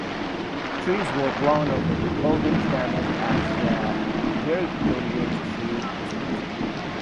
Trees were blown over and buildings damaged as the derecho raced through Wisconsin.